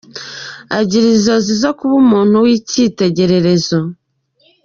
Agira inzozi zo kuba umuntu w’icyitegererezo.